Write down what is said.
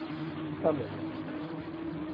Pas moi.